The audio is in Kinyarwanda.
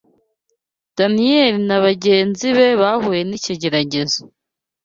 Daniyeli na bagenzi bahuye n’ikigeragezo